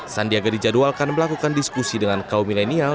sandiaga dijadwalkan melakukan diskusi dengan kaum milenial